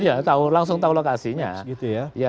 iya langsung tahu lokasinya